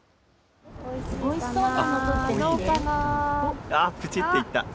おいしそうかな、どうかな。